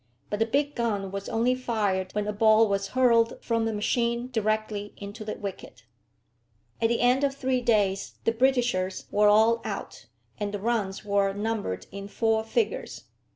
But the big gun was only fired when a ball was hurled from the machine directly into the wicket. At the end of three days the Britishers were all out, and the runs were numbered in four figures.